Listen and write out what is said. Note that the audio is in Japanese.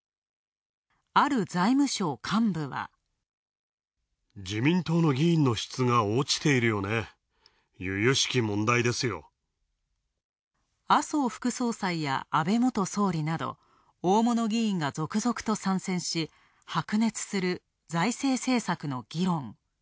ある財務省幹部は。麻生副総裁や安倍元総理など大物議員が続々と参戦し、白熱する財政政策の議論。